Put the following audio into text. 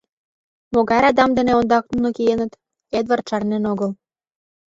Могай радам дене ондак нуно киеныт, Эдвард шарнен огыл.